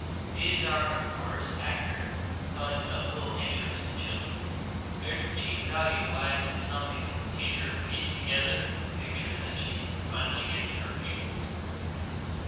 These are, of course, accurate, but of little interest to children. Their chief value lies in helping the teacher to piece together a picture that she can finally give to her pupils.